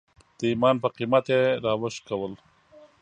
د ایمان په قیمت یې راوشکول.